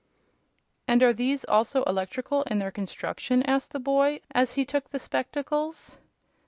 "And are these, also, electrical in their construction?" asked the boy, as he took the spectacles.